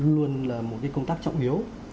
luôn là một công tác trọng hiếu